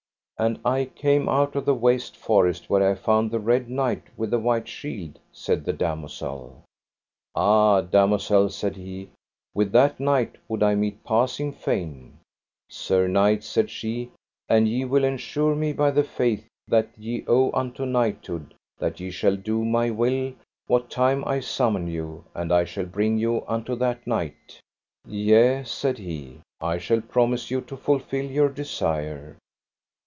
And I came out of the waste forest where I found the Red Knight with the white shield, said the damosel. Ah, damosel, said he, with that knight would I meet passing fain. Sir knight, said she, an ye will ensure me by the faith that ye owe unto knighthood that ye shall do my will what time I summon you, and I shall bring you unto that knight. Yea, said he, I shall promise you to fulfil your desire.